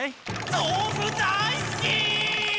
豆腐大すき！